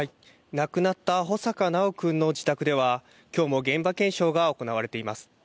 亡くなった穂坂修くんの自宅では、きょうも現場検証が行われています。